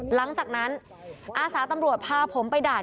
หลังจากนั้นอาสาตำรวจพาผมไปด่าน